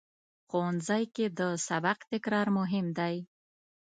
ښوونځی کې د سبق تکرار مهم دی